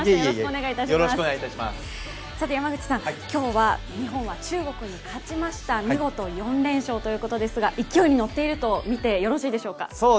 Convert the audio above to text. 今日は日本は中国に勝ちました、見事４連勝ということですが、勢いに乗っているとみてよろしいでしょうか？